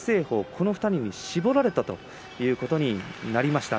この２人に絞られたということになりました